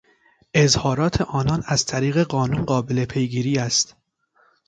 اظهارات آنان از طریق قانون قابل پیگیری است.